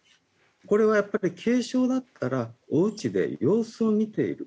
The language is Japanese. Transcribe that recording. これは軽症だったらおうちで様子を見ている。